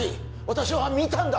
私は見たんだ！